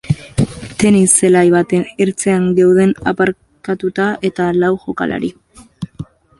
Tenis-zelai baten ertzean geunden aparkatuta eta lau jokalari.